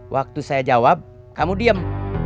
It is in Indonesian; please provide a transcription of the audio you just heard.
waktu saya jawab kamu diem